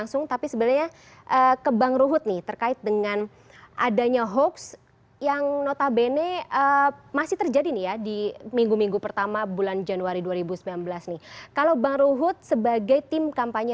kalau bersama kami di layar pemilu terpercaya